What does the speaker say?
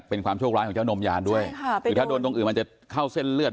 เป็นความโชคร้ายของเจ้านมยานด้วยค่ะคือถ้าโดนตรงอื่นมันจะเข้าเส้นเลือด